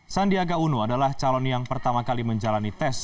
sandiaga uno adalah calon yang pertama kali menjalani tes